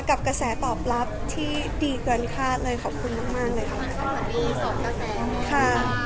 กระแสตอบรับที่ดีเกินคาดเลยขอบคุณมากเลยค่ะ